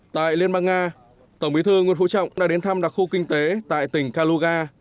tại liên bang nga tổng bí thư nguyễn phú trọng đã đến thăm đặc khu kinh tế tại tỉnh kaluga